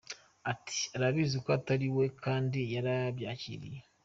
Ati “Arabizi ko atari we se, kandi yarabyakiriye.